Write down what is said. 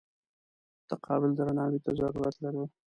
متقابل درناوي ته ضرورت لرو.